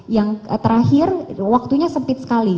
yang terakhir waktunya sempit sekali